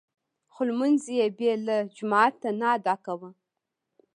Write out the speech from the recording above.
خو لمونځ يې بې له جماعته نه ادا کاوه.